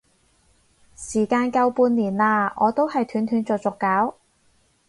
時間夠半年啦，我都係斷斷續續搞